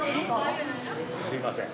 すいません。